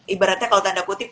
ibaratnya kalau tanda putih